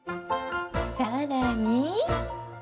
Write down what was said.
更に。